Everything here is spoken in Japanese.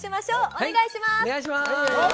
お願いします。